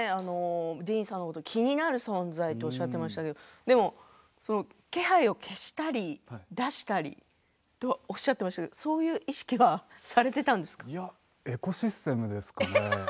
ディーンさんのことを気になる存在とおっしゃっていましたけど気配を消したり、出したりとおっしゃっていましたがそういう意識はいや、エコシステムですかね。